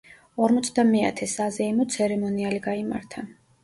ორმოცდამეათე საზეიმო ცერემონიალი გაიმართა.